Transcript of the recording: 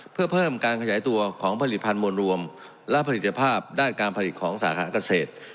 เพื่อเพิ่มการขยายตัวของผลิตภัณฑ์มวลรวมและผลิตภาพด้านการผลิตของสาขาเกษตร